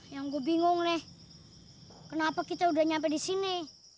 yang gue bingung nih kenapa kita udah nyampe disini